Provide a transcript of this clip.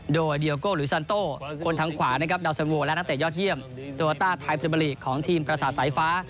โดยเดียโก้หรือซันโต้คนทางขวานะครับดาวสันโวและนักเตะยอดเยี่ยมโตโยต้าไทยพรีเมอร์ลีกของทีมประสาทสายฟ้า